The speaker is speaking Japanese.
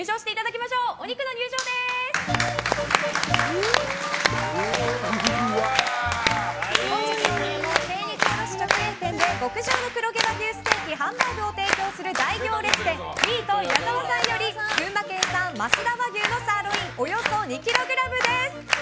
本日のお肉は精肉卸直営店で極上の黒毛和牛ステーキ・ハンバーグを提供する大行列店ミート矢澤さんより群馬県産増田和牛のサーロインおよそ２ｋｇです。